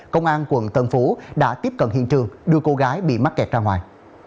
công an quận tân phú đã tiếp cận hiện trường đưa cô gái bị mắc kẹt ra ngoài